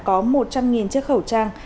có một trăm linh chiếc khẩu trang